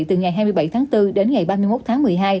từ ngày hai mươi bảy tháng bốn đến ngày ba mươi một tháng một mươi hai